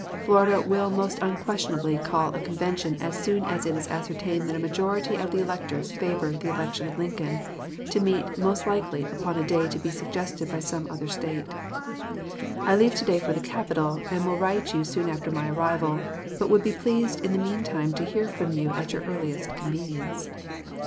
Florida will most unquestionably call a convention as soon as it is ascertained that a majority of the electors favor the election of Lincoln, to meet most likely upon a day to be suggested by some other State. I leave to day for the capital, and will write you soon after my arrival, but would be pleased in the mean time to hear from you at your earliest convenience.